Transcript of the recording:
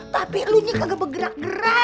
tapi lu ini kagak bergerak gerak